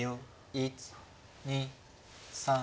１２３。